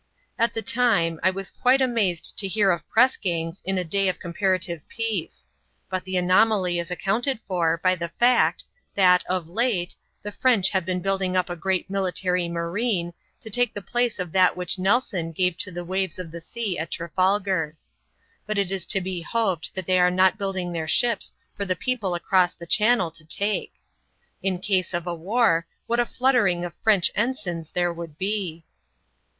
At the time, I was quite amazed to hear of press gangs in a day of comparative peace : but the anomaly is accounted for by the fact, that, of late, the French have been building up a great military marine, to take the place of that which Nelson gave to the waves of the sea at Trafalgar. But it is to be hoped that they are not building their ships for the people across the Channel to take. In case of a war, what a fluttering of French ensigns ihere would be